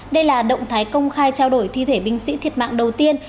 đây là động thái công khai trao đổi thi thể binh sĩ thiệt mạng đầu tiên